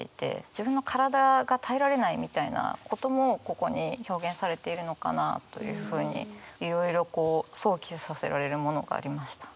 自分の体が耐えられないみたいなこともここに表現されているのかなというふうにいろいろこう想起させられるものがありました。